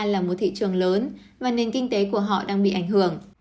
là một thị trường lớn và nền kinh tế của họ đang bị ảnh hưởng